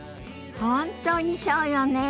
本当にそうよね。